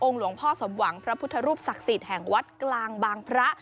หลวงพ่อสมหวังพระพุทธรูปศักดิ์สิทธิ์แห่งวัดกลางบางพระ